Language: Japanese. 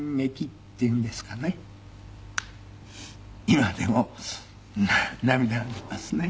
今でも涙が出ますね。